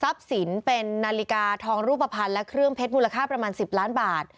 สินเป็นนาฬิกาทองรูปภัณฑ์และเครื่องเพชรมูลค่าประมาณ๑๐ล้านบาท